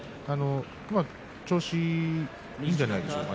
調子がいいんじゃないでしょうかね。